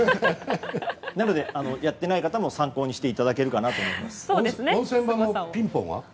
なのでやっていない方も参考にしていただけるかなと温泉のピンポンは？